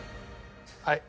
はい。